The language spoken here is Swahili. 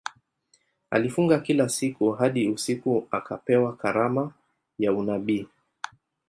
Alifunga kila siku hadi usiku akapewa karama ya unabii.